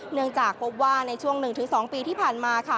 เนื่องจากพบว่าในช่วง๑๒ปีที่ผ่านมาค่ะ